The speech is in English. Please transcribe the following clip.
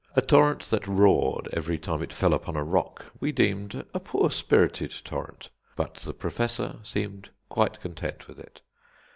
A torrent that roared every time it fell upon a rock we deemed a poor spirited torrent; but the Professor seemed quite content with it.